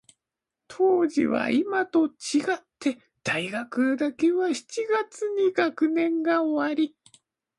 当時は、いまと違って、大学だけは七月に学年が終わり、